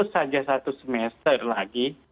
saja satu semester lagi